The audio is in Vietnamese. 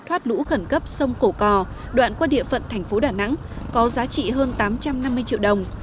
thoát lũ khẩn cấp sông cổ cò đoạn qua địa phận thành phố đà nẵng có giá trị hơn tám trăm năm mươi triệu đồng